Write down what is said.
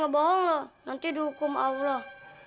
kan bener kan dia nanti dihukum allah